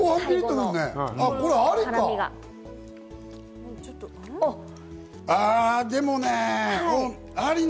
これありか。